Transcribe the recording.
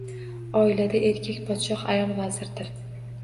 Oilada erkak podshoh, ayol vazirdir.